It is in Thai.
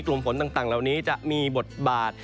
กลุ่มฝนต่างเหล่านี้จะมีบทบาท